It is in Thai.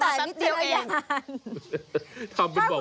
ตัวเลขไม่เห็นเลย